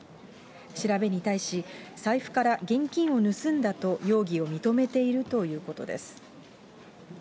調べに対し、財布から現金を盗んだと容疑を認めているということです。